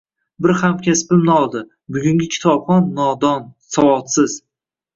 Bir hamkasbim nolidi: Bugungi kitobxon nodon, savodsiz.